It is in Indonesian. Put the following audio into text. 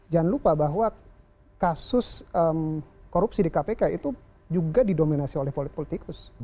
jangan lupa bahwa kasus korupsi di kpk itu juga didominasi oleh politikus